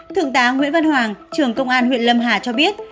thượng tá nguyễn văn hoàng trưởng công an huyện lâm hà cho biết